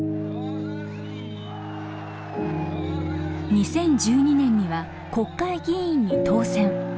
２０１２年には国会議員に当選。